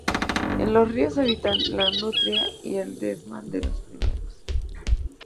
En los ríos habitan la nutria y el desmán de los pirineos.